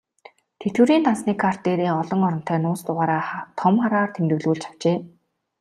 Тэтгэврийн дансны карт дээрээ олон оронтой нууц дугаараа том хараар тэмдэглүүлж авчээ.